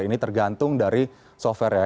ini tergantung dari softwarenya